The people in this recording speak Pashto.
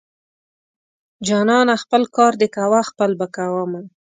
جانانه خپل کار دې کوه خپل به کوومه.